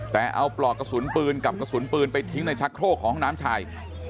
แต่เอาปลอกกระสุนปืนกับกระสุนปืนไปทิ้งในชักโครกของห้องน้ำชาย